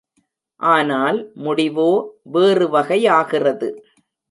ஆனால் முடிவோ வேறு வகையாகிறது.